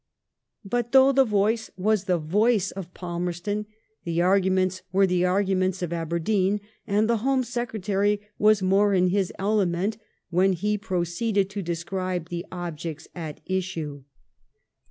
'' But tkough the voice was the voice of Palmerston, iha arguments were the arguments of Aberdeen; and the Home Secretary was more in his element when he prpoeeded to describe the objects at issue.